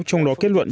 trong đó kết luận